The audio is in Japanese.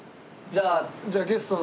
じゃあゲストの。